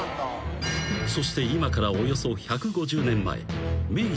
［そして今からおよそ１５０年前］